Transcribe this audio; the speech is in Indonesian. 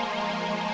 i adjusting hofan